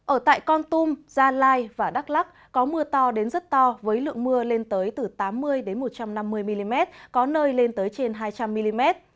ở tại con tum gia lai và đắk lắc có mưa to đến rất to với lượng mưa lên tới từ tám mươi một trăm năm mươi mm có nơi lên tới trên hai trăm linh mm